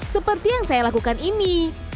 seperti yang saya lakukan ini